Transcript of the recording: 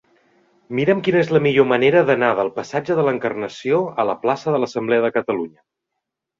Mira'm quina és la millor manera d'anar del passatge de l'Encarnació a la plaça de l'Assemblea de Catalunya.